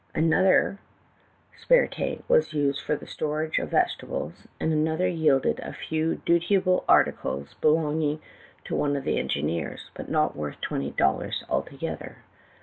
Another spare tank was used for the storage of vegeta bles, and another yielded a few dutiable articles belonging to one of the engineers, but not worth twenty dollars altogether.